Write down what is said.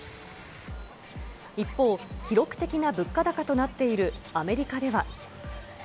一方、記録的な物価高となっているアメリカでは。